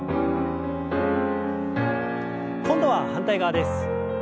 今度は反対側です。